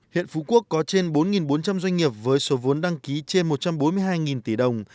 hiện phú quốc có trên bốn bốn trăm linh doanh nghiệp với số vốn đăng ký trên một trăm bốn mươi hai tỷ đồng